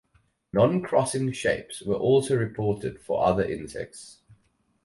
Noncrossing shapes were also reported for other insects.